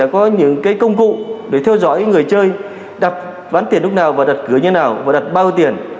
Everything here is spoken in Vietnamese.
có những công cụ để theo dõi người chơi đặt ván tiền lúc nào và đặt cửa như thế nào và đặt bao tiền